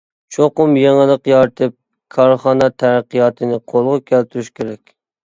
چوقۇم يېڭىلىق يارىتىپ كارخانا تەرەققىياتىنى قولغا كەلتۈرۈش كېرەك.